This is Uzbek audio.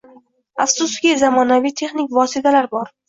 Afsuski, zamonaviy texnik vositalar bor.